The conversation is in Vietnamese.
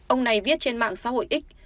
ông này viết trên mạng xã hội x